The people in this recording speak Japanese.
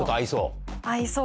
合いそう？